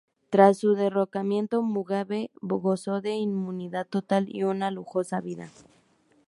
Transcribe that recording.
Tras su derrocamiento, Mugabe gozó de inmunidad total y una lujosa vida.